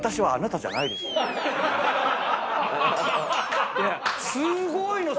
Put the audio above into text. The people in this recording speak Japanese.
すごいの！